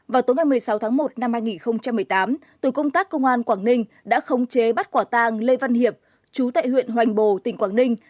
vào tối ngày một mươi sáu tháng một năm hai nghìn một mươi tám tổ công tác công an quảng ninh đã khống chế bắt quả tàng lê văn hiệp chú tại huyện hoành bồ tỉnh quảng ninh